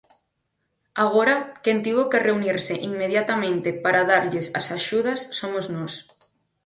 Agora, quen tivo que reunirse inmediatamente para darlles as axudas somos nós.